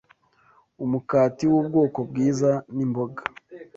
umukati w’ubwoko bwiza, n’imboga